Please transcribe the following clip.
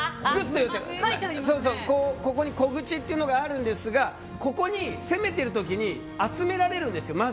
ここに小口というのがあるんですがここに攻めている時に集められるんですよ。